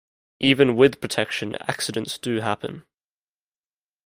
Even with protection, accidents do happen.